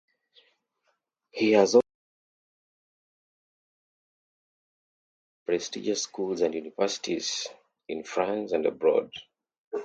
He has also taught at several prestigious schools and universities in France and abroad.